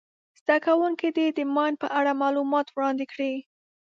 زده کوونکي دې د ماین په اړه معلومات وړاندي کړي.